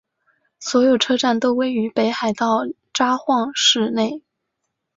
所有车站都位于北海道札幌市内。